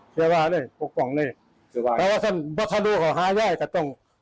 เชื่อว่าเลยปกป้องเลยเชื่อว่าแปลว่าฉันบอกทะลูเขาหาย่ายกับตรง